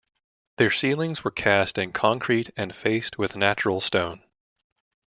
Their ceilings were cast in concrete and faced with natural stone.